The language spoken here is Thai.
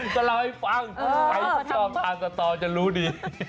สำหรับให้ฟังใครชอบทานสตอนจะรู้ดี